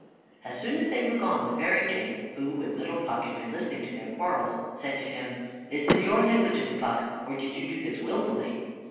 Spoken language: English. As soon as they were gone, the fairy king, who with little Puck had been listening to their quarrels, said to him, "This is your negligence, Puck; or did you do this wilfully?"